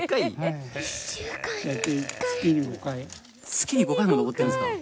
月に５回も登ってるんですか？